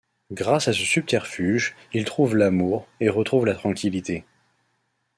Grâce à ce subterfuge, il trouve l'amour, et retrouve la tranquillité.